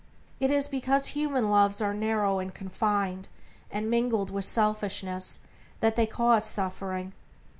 It is because human loves are narrow and confined and mingled with selfishness that they cause suffering.